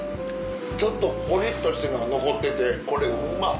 ちょっとコリっとしてるのが残っててこれうまっ！